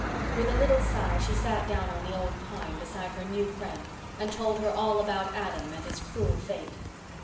With a little sigh she sat down on the old pine beside her new friend and told her all about Adam and his cruel fate.